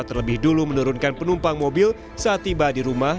terlebih dulu menurunkan penumpang mobil saat tiba di rumah